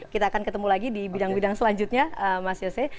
kita akan ketemu lagi di bidang bidang selanjutnya mas yose